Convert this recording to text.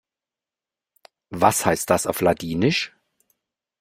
Was heißt das auf Ladinisch?